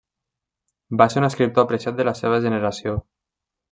Va ser un escriptor apreciat de la seva generació.